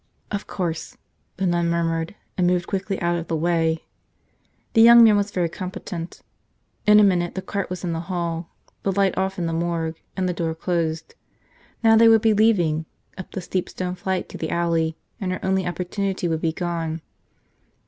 "Of course," the nun murmured and moved quickly out of the way. The young man was very competent. In a minute the cart was in the hall, the light off in the morgue and the door closed. Now they would be leaving, up the steep stone flight to the alley, and her only opportunity would be gone.